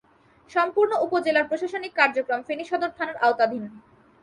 সম্পূর্ণ উপজেলার প্রশাসনিক কার্যক্রম ফেনী সদর থানার আওতাধীন।